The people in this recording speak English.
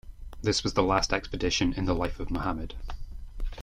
This was the last expedition in the life of Muhammad.